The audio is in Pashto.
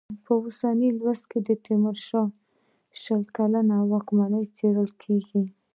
په اوسني لوست کې د تېمورشاه شل کلنه واکمني څېړل کېږي.